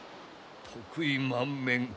得意満面。